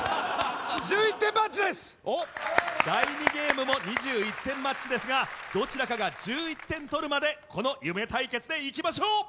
第２ゲームも２１点マッチですがどちらかが１１点取るまでこの夢対決でいきましょう。